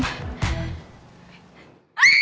tante bilang di sini